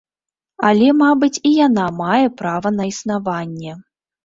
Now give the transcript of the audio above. Але, мабыць, і яна мае права на існаванне.